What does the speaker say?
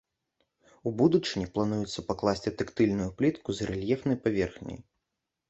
У будучыні плануецца пакласці тактыльную плітку з рэльефнай паверхняй.